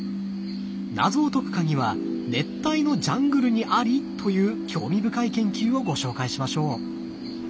謎を解く鍵は熱帯のジャングルにあり！という興味深い研究をご紹介しましょう。